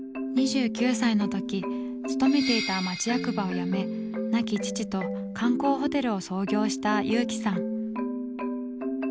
２９歳の時勤めていた町役場を辞め亡き父と観光ホテルを創業した勇毅さん。